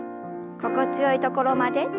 心地よいところまで。